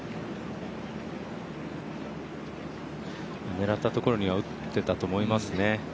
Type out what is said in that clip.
狙ったところには打っていたと思いますね。